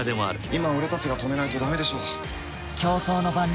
今、俺たちが止めないとだめでしょう。